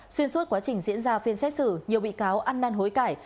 xuyên suốt quá trình diễn ra phiên xét xử nhiều bị cáo ăn năn hối cải